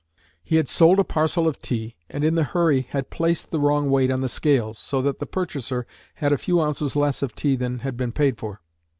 He had sold a parcel of tea, and in the hurry had placed the wrong weight on the scales, so that the purchaser had a few ounces less of tea than had been paid for.